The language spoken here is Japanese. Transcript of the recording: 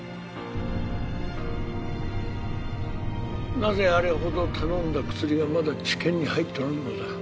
なぜあれほど頼んだ薬がまだ治験に入っとらんのだ？